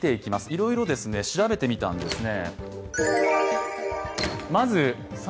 いろいろ調べてみたんですね。